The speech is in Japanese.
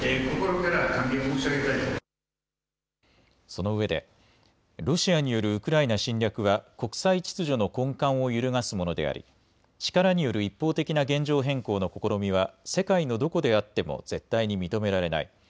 そのうえでロシアによるウクライナ侵略は国際秩序の根幹を揺るがすものであり力による一方的な現状変更の試みは世界のどこであっても絶対に認められない。